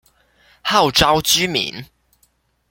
號召居民